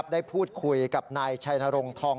เพราะถูกทำร้ายเหมือนการบาดเจ็บเนื้อตัวมีแผลถลอก